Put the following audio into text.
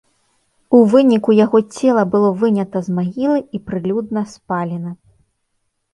У выніку яго цела было вынята з магілы і прылюдна спалена.